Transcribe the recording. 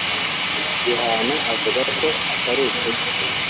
Gihana avuga ko atari ukuri